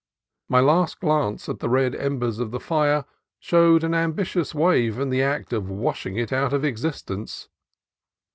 My last glance across at the red embers of the fire showed an am bitious wave in the act of washing it out of existence.